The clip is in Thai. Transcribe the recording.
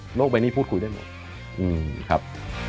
ไม่ได้ครับโลกใบนี้พูดคุยได้หมดครับ